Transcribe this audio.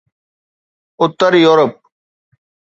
Uttar Europe